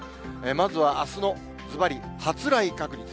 まずはあすのずばり、発雷確率。